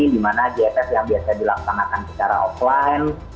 di mana jff yang biasa dilaksanakan secara offline